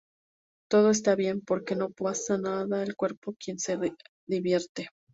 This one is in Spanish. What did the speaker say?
Todo está bien, porque no pasa del cuerpo de quien se divierte.